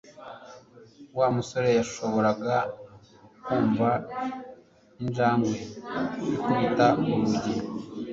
Wa musore yashoboraga kumva injangwe ikubita urugi